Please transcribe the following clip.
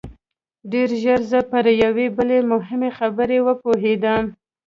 ډېر ژر زه پر یوې بلې مهمې خبرې وپوهېدم